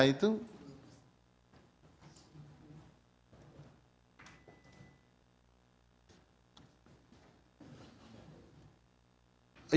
ini kabupaten diyay dapiltika itu